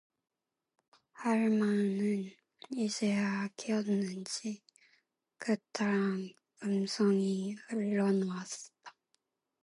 할멈은 이제야 깨었는지 굵다란 음성이 흘러나왔다.